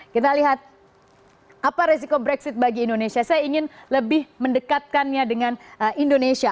kita lihat apa resiko brexit bagi indonesia saya ingin lebih mendekatkannya dengan indonesia